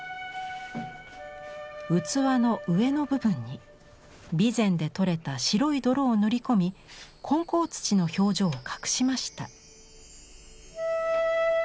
器の上の部分に備前で取れた白い泥を塗り込み混淆土の表情を隠しました。